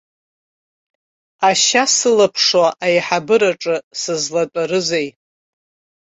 Ашьа сылаԥшуа аиҳабыраҿы сызлатәарызеи?